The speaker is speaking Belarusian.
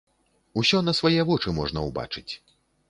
Усё на свае вочы можна ўбачыць.